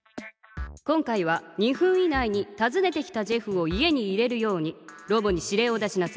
今回は２分以内にたずねてきたジェフを家に入れるようにロボに指令を出しなさい。